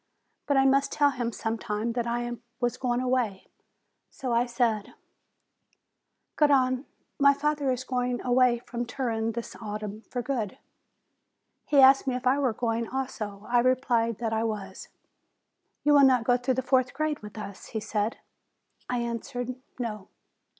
But I must tell him sometime that I was going away. So I said : "Garrone, my father is going away from Turin this autumn, for good." He asked me if I were going, also. I replied that I was. "You will not go through the fourth grade with us?" he said. I answered, "No."